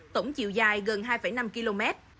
tổng chiều dài gần hai năm km